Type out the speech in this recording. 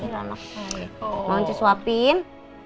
mau nanti suapin